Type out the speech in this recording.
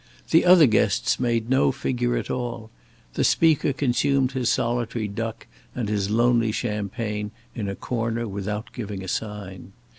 The other guests made no figure at all. The Speaker consumed his solitary duck and his lonely champagne in a corner without giving a sign.